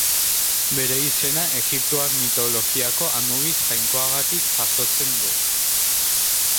Bere izena egiptoar mitologiako Anubis jainkoagatik jasotzen du.